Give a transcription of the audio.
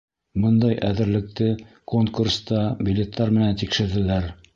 Бындай әҙерлекте конкурста билеттар менән тикшерҙеләр.